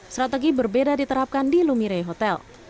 strategi berbeda diterapkan di lumire hotel